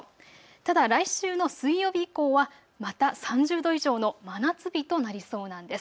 ただ来週の水曜日以降はまた３０度以上の真夏日となりそうなんです。